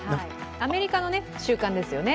アメリカの習慣ですよね。